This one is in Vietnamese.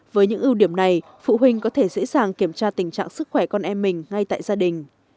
với những ưu điểm này phụ huynh có thể dễ dàng kiểm tra tình trạng sức khỏe con em mình ngay tại gia đình